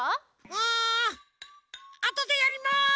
ああとでやります！